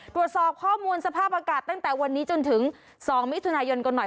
ตรวจสอบข้อมูลสภาพอากาศตั้งแต่วันนี้จนถึง๒มิถุนายนกันหน่อย